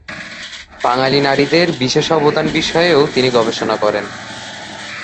বাঙালি নারীদের বিশেষ অবদান বিষয়েও তিনি গবেষণা করেন।